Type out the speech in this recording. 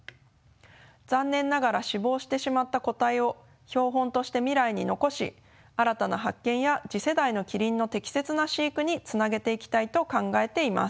残念ながら死亡してしまった個体を標本として未来に残し新たな発見や次世代のキリンの適切な飼育につなげていきたいと考えています。